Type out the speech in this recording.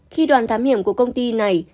khi đoàn thám hiểm của công ty này